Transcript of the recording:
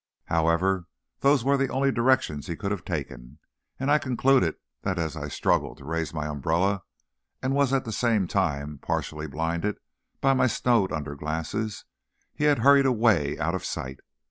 However, those were the only directions he could have taken, and I concluded that as I struggled to raise my umbrella and was at the same time partially blinded by my snowed under glasses, he had hurried away out of sight.